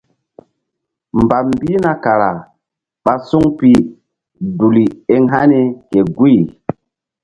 Mbam mbihna kara ɓa suŋ pi duli eŋ hani ke guy.